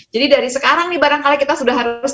jadi dari sekarang nih barangkali kita sudah harus